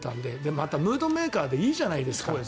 またムードメーカーでいいじゃないですか。